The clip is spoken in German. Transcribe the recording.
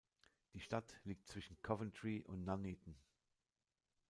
Die Stadt liegt zwischen Coventry und Nuneaton.